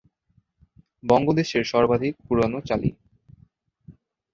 বঙ্গদেশের সর্বাধিক পুরোনো চালি।